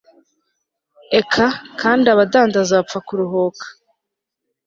eka kandi abadandaza bapfa kuruhuka